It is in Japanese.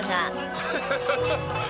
「ハハハハ！